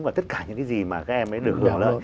và tất cả những cái gì mà cái em ấy được